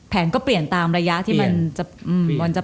แผนก็เปลี่ยนตามระยะที่มันจะเปิดเนอะ